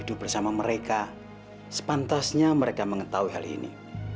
hidup bersama mereka sepantasnya mereka mengetahui hal ini